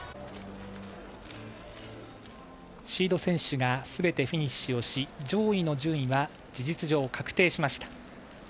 シード選手がすべてフィニッシュをし上位の順位は事実上確定しました。